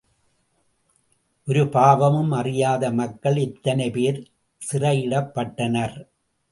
ஒருபாவமும் அறியாத மக்கள் எத்தனைபேர் சிறையிடப்பட்டனர்!